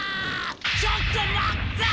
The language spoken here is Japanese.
ちょっと待った！